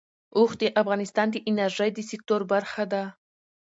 اوښ د افغانستان د انرژۍ د سکتور برخه ده.